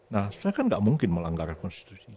nah saya kan nggak mungkin melanggar konstitusi